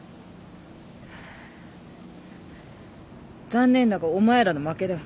残念だがお前らの負けだ。